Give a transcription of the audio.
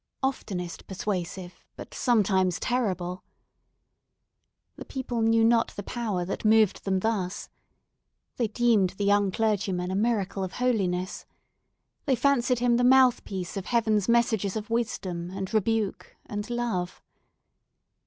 Oftenest persuasive, but sometimes terrible! The people knew not the power that moved them thus. They deemed the young clergyman a miracle of holiness. They fancied him the mouth piece of Heaven's messages of wisdom, and rebuke, and love.